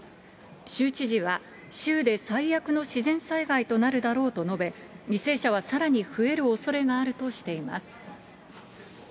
州知事は、州で最悪の自然災害となるだろうと述べ、犠牲者はさらに増えるおそれがあるとしています。